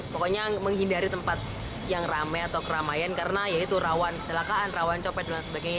pokoknya menghindari tempat yang rame atau keramaian karena ya itu rawan kecelakaan rawan copet dan sebagainya